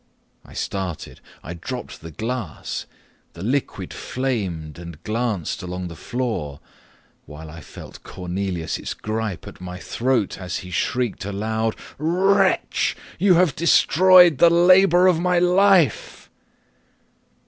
I started I dropped the glass the fluid flamed and glanced along the floor, while I felt Cornelius's gripe at my throat, as he shrieked aloud, "Wretch! you have destroyed the labour of my life!"